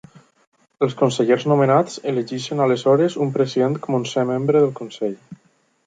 Els consellers nomenats elegeixen aleshores un president com a onzè membre del Consell.